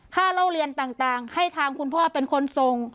ฆ่าโรงเรียนต่างต่างให้ทางคุณพ่อเป็นคนส่ง